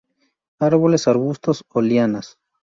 Árboles, arbustos o lianas.